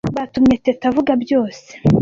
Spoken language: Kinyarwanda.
Batumye Teta avuga byose.